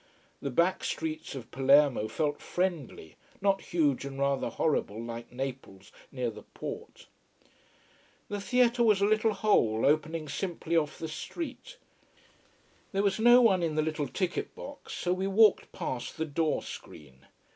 The back streets of Palermo felt friendly, not huge and rather horrible, like Naples near the port. The theatre was a little hole opening simply off the street. There was no one in the little ticket box, so we walked past the door screen.